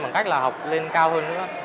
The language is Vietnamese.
bằng cách là học lên cao hơn nữa